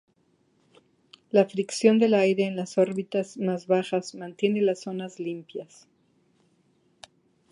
La fricción del aire en las órbitas más bajas mantiene las zonas limpias.